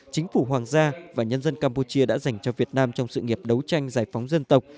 chính phủ hoàng gia và nhân dân campuchia đã dành cho việt nam trong sự nghiệp đấu tranh giải phóng dân tộc